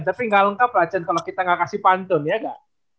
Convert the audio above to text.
tapi gak lengkap lah can kalau kita gak kasih pantun ya gak